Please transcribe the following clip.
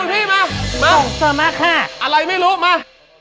คุณพี่มามาอะไรไม่รู้มา